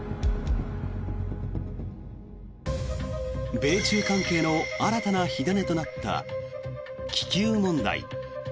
米中関係の新たな火種となった気球問題。